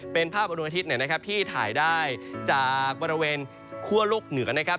เป็นภาพวันอาทิตย์นะครับที่ถ่ายได้จากบริเวณคั่วโลกเหนือนะครับ